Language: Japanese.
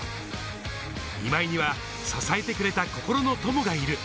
今井には支えてくれた心の友がいる。